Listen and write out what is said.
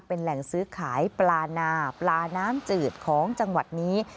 เป็นแหล่งซื้อขายปลานาปลาน้ำจืดของจังหวัดนี้